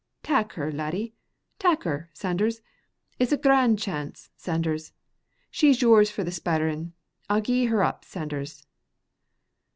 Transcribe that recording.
Tak her, laddie, tak her, Sanders, it's a grand chance, Sanders. She's yours for the speirin. I'll gie her up, Sanders."